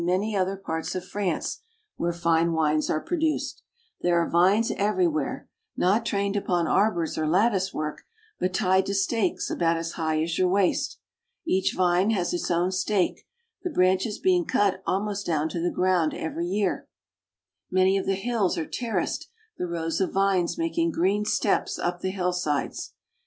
many other parts of France where fine wines are produced. There are vines everywhere ; not trained upon arbors or latticework, but tied to stakes about as high as your waist. Each vine has its own stake, the branches being cut almost down to the ground every year. Many of the hills are terraced, the rows of vines making green steps up the hillsides.